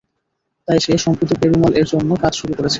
তাই সে সম্প্রতি পেরুমাল এর জন্য কাজ শুরু করেছে।